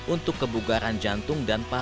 untuk kebugaran jantungnya